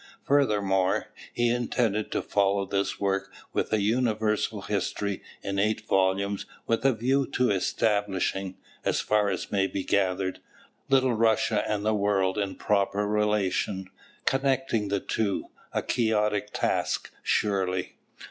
Furthermore, he intended to follow this work with a universal history in eight volumes with a view to establishing, as far as may be gathered, Little Russia and the world in proper relation, connecting the two; a quixotic task, surely.